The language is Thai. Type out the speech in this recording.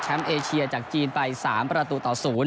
เอเชียจากจีนไป๓ประตูต่อ๐